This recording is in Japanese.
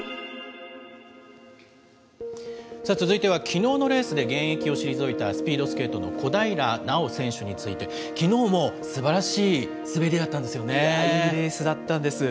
続いてはきのうのレースで現役を退いたスピードスケートの小平奈緒選手について、きのうもすばらしい滑りだったんですよね。